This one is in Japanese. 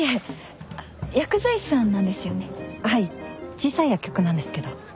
小さい薬局なんですけど。